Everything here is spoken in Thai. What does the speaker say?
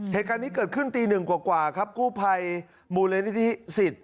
เหตุการณ์นี้เกิดขึ้นตีหนึ่งกว่าครับกู้ภัยมูลนิธิสิต